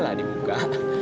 iya lah dibuka